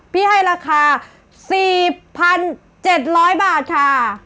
ให้ราคา๔๗๐๐บาทค่ะ